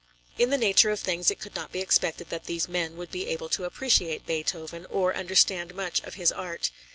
In the nature of things it could not be expected that these men would be able to appreciate Beethoven, or understand much of his art.